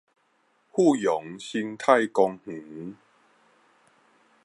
富陽生態公園